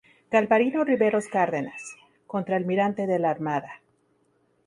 Galvarino Riveros Cárdenas: Contraalmirante de la Armada.